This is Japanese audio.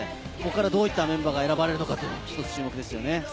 どういったメンバーが選ばれるのか注目です。